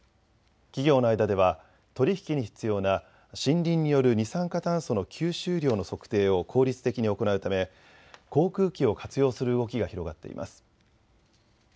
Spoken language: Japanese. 企業の間では取り引きに必要な森林による二酸化炭素の吸収量の測定を効率的に行うため航空機を活用する動きが広がっています。